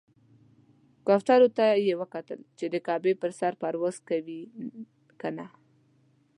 کوترو ته یې کتل چې د کعبې پر سر پرواز کوي کنه.